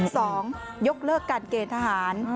สองยกเลิกการเกณฑ์ทหาร